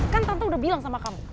kan tante udah bilang sama kamu